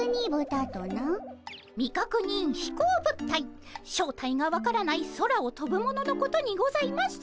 未確認飛行物体正体が分からない空をとぶもののことにございます。